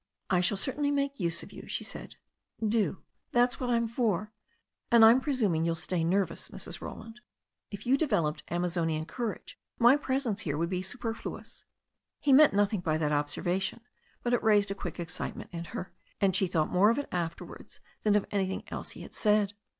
"I shall certainly make use of you," she said. "Do. That's what I'm for. And I'm presuming you'll stay nervous, Mrs. Roland. If you developed Amazonian courage my presence here would be superfluous." He meant nothing by that observation, but it raised a quick excitement in her, and she thought more of it after wards than of anything else he had said.